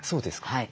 はい。